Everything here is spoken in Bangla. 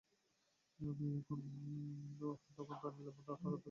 আমি তখন তা নিলাম এবং তার অর্ধেক পান করলাম।